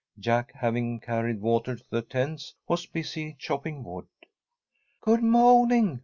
Jack, having carried water to the tents, was busy chopping wood. "Good mawning!"